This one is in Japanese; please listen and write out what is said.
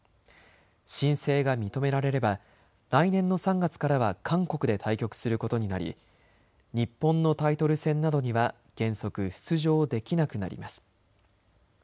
申請が認められれば来年の３月からは韓国で対局することになり日本のタイトル戦などには原則出場できなくなります。